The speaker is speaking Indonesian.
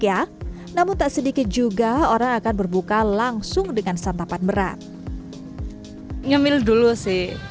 ya namun tak sedikit juga orang akan berbuka langsung dengan santapan berat nyemil dulu sih